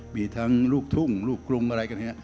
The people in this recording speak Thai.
มีทั้งลูกทุ่งลูกกรุงอะไรกันเนี่ย